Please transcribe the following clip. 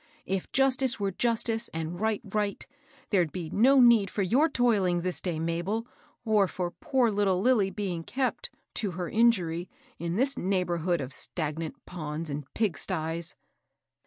" If justice were justice and right right, there'd be no need for your toiling this day, Mabel, or for poor little Lilly being kept, to her injury, in this neighborhood of stagnant ponds and pigsties."